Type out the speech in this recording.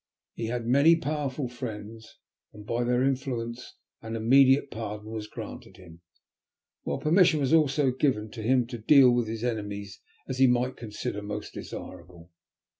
He had many powerful friends, and by their influence an immediate pardon was granted him, while permission was also given him to deal with his enemies as he might consider most desirable.